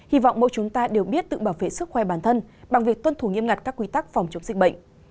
hy vọng mỗi chúng ta đều biết tự bảo vệ sức khỏe bản thân bằng việc tuân thủ nghiêm ngặt các quy tắc phòng chống dịch bệnh